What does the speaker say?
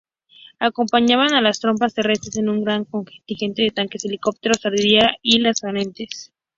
Acompañaban a las tropas terrestres un gran contingente de tanques, helicópteros, artillería y lanzacohetes.